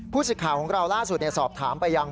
สิทธิ์ข่าวของเราล่าสุดสอบถามไปยัง